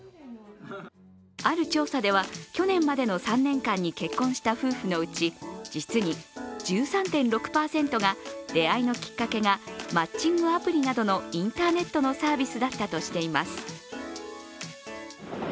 ある調査では、去年までの３年間に結婚した夫婦のうち実に１３．６％が出会いのきっかけがマッチングアプリなどのインターネットのサービスだったとしています。